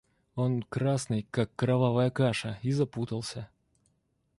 Он красный, как кровавая каша, и запутался.